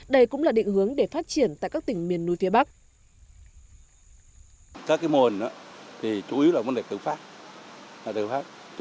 đây cũng là định hướng để phát triển tại các tỉnh miền núi phía bắc